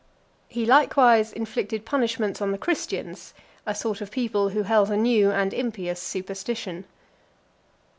He likewise inflicted punishments on the Christians, a sort of people who held a new and impious superstition.